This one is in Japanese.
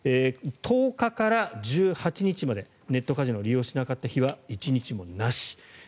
１０日から１８日までネットカジノを利用しなかった日は１日もなし。